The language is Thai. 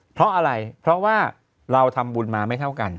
เพราะอะไรเพราะว่าเราทำบุญมาไม่เท่ากัน